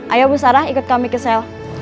ayo bu sarah ikut kami ke sel